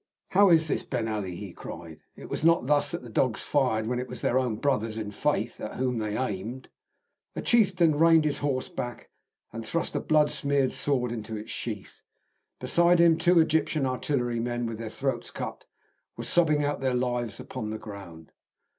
"How is this, Ben Ali?" he cried. "It was not thus that the dogs fired when it was their own brothers in faith at whom they aimed!" A chieftain reined his horse back, and thrust a blood smeared sword into its sheath. Beside him two Egyptian artillerymen with their throats cut were sobbing out their lives upon the ground.